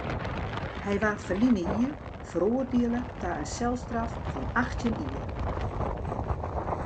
Hy waard ferline jier feroardiele ta in selstraf fan achttjin jier.